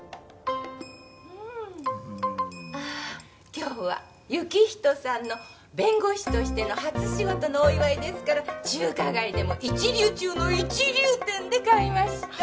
今日は行人さんの弁護士としての初仕事のお祝いですから中華街でも一流中の一流店で買いました。